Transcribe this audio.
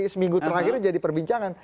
seminggu terakhir jadi perbincangan